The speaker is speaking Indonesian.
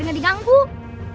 pengen ngajak dari micronet lagi